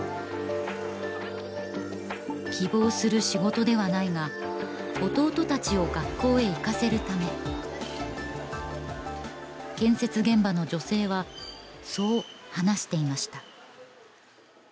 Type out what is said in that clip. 希望する仕事ではないが弟たちを学校へ行かせるため建設現場の女性はそう話していました